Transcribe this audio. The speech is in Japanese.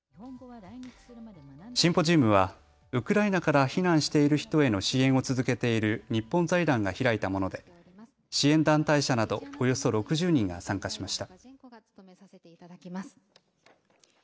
シンポジウムはウクライナから避難している人への支援を続けている日本財団が開いたもので支援団体者などおよそ６０人が参加しました。